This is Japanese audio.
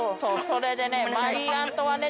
それでね。